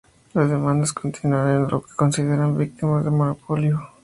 Las demandas continúan en lo que consideran víctimas de un monopolio.